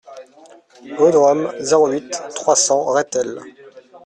Rue de Rome, zéro huit, trois cents Rethel